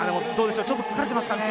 ちょっと疲れてますかね。